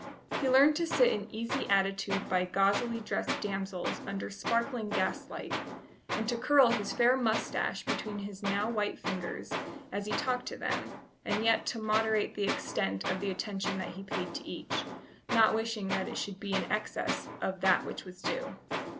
He learned to sit in easy attitude by gauzily dressed damsels under sparkling gaslight, and to curl his fair moustache between his now white fingers as he talked to them, and yet to moderate the extent of the attention that he paid to each, not wishing that it should be in excess of that which was due.